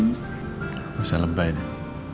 nggak usah lebay deh